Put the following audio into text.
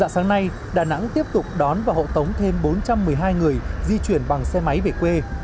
sáng nay đà nẵng tiếp tục đón và hậu tống thêm bốn trăm một mươi hai người di chuyển bằng xe máy về quê